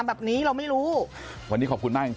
วันนี้ขอบคุณมากจริง